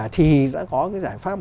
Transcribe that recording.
thì đã có cái giải pháp